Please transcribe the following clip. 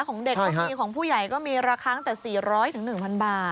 ของเด็กก็มีของผู้ใหญ่ก็มีราคาตั้งแต่๔๐๐๑๐๐บาท